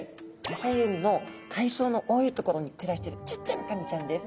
浅い海の海藻の多い所に暮らしてるちっちゃなカニちゃんです。